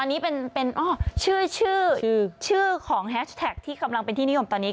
อันนี้เป็นชื่อของแฮชแท็กที่กำลังเป็นที่นิยมตอนนี้